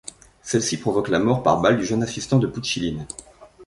Celle-ci provoque la mort par balles du jeune assistant de Pouchiline.